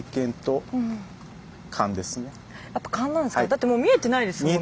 だってもう見えてないですもんね。